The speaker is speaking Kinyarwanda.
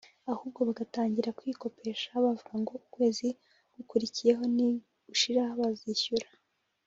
ahubwo bagatangira kwikopesha bavuga ko ukwezi (ugukurikiyeho) nigushira bazishyura